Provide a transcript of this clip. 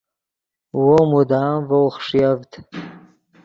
وو مدام ڤؤ خݰیڤد